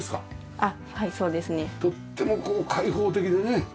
とってもこう開放的でね。